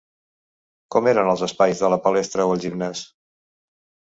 Com eren els espais de la palestra o el gimnàs?